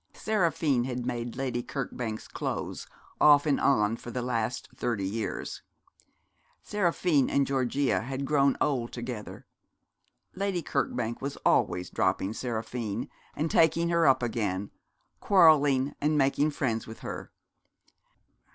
Seraphine had made Lady Kirkbank's clothes, off and on for the last thirty years. Seraphine and Georgia had grown old together. Lady Kirkbank was always dropping Seraphine and taking her up again, quarrelling and making friends with her.